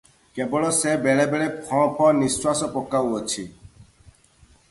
କେବଳ ସେ ବେଳେବେଳେ ଫଁ ଫଁ ନିଃଶ୍ୱାସ ପକାଉଅଛି ।